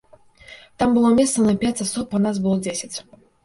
Там было месца на пяць асоб, а нас было дзесяць.